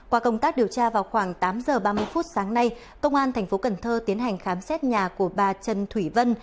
qua công tác điều tra vào khoảng tám h ba mươi phút sáng nay công an tp cnh tiến hành khám xét nhà của bà trần thủy vân